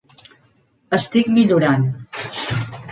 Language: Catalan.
Estic millorant.